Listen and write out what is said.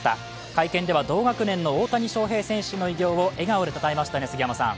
会見では同学年の大谷翔平選手の偉業を笑顔でたたえましたね、杉山さん。